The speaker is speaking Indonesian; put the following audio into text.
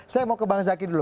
saya mau ke bang zaky dulu